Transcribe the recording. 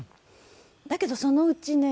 だけどそのうちね